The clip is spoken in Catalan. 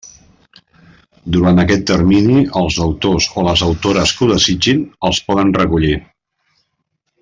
Durant aquest termini, els autors o les autores que ho desitgin els poden recollir.